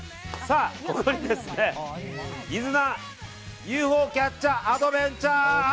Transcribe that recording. ここに水菜ＵＦＯキャッチャーアドベンチャー！